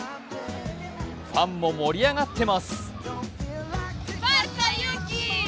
ファンも盛り上がってます。